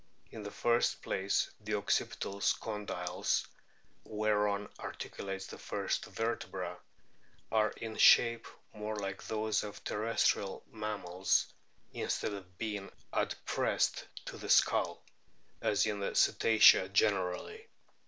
In the first place the occipital condyles, whereon articulates the first vertebra, are in shape more like those of terrestrial mammals in stead of being adpressed to the skull, as in the Cetacea generally.